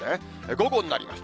午後になります。